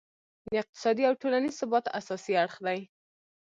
د اقتصادي او ټولینز ثبات اساسي اړخ دی.